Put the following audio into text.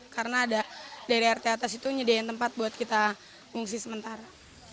karena ada dari rt atas itu nyediain tempat buat kita ngungsi sementara